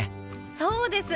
そうです。